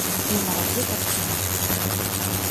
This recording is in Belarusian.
І ў маразы таксама.